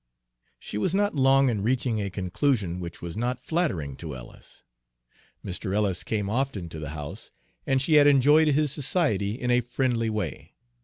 She was not long in reaching a conclusion which was not flattering to Ellis. Mr. Ellis came often to the house, and she had enjoyed his society in a friendly way.